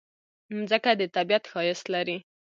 مځکه د طبیعت ښایست لري.